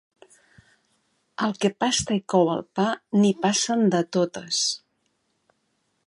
Al que pasta i cou el pa, n'hi passen de totes.